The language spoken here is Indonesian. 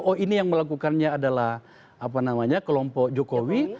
oh ini yang melakukannya adalah kelompok jokowi